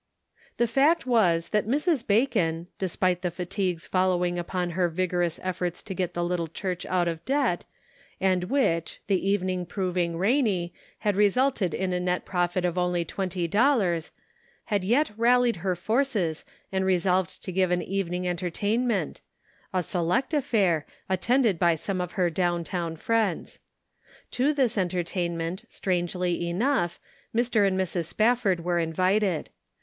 The fact was that Mrs. Bacon, despite the fatigues following upon her vigorous efforts to get the little church out of debt, and which, the evening proving rainy, had resulted in a net profit of only twenty dollars, had yet rallied her forces and resolved to give an evening en tertainment ; a select affair, attended by some of her down town friends. To this entertain ment, strangely enough, Mr. and Mrs. Spafford were invited.